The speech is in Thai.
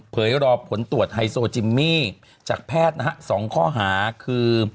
รอผลตรวจไฮโซจิมมี่จากแพทย์นะฮะ๒ข้อหาคือ